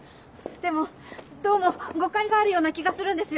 でもどうも誤解があるような気がするんですよ。